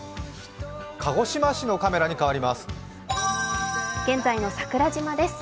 鹿児島市のカメラに変わります。